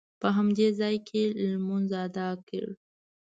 په همدې ځاې کې لمونځ ادا کړ.